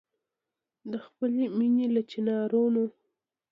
د خپلي مېني له چنارونو